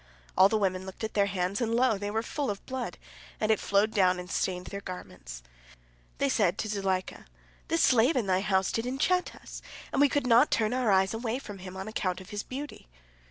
All the women looked at their hands, and, lo, they were full of blood, and it flowed down and stained their garments. They said to Zuleika, "This slave in thy house did enchant us, and we could not turn our eyes away from him on account of his beauty."